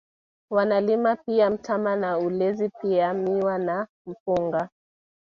Wanalima pia mtama na ulezi pia miwa na Mpunga